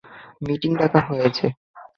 Meeting ডাকা হয়েছে।